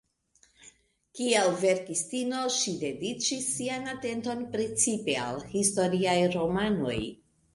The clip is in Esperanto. Kiel verkistino ŝi dediĉis sian atenton precipe al historiaj romanoj.